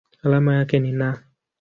Alama yake ni Na.